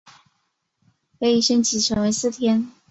可以升级成为四天。